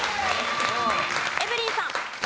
エブリンさん。